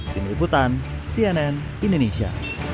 dini liputan cnn indonesia